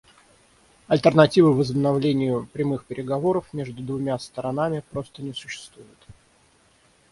Альтернативы возобновлению прямых переговоров между двумя сторонами просто не существует.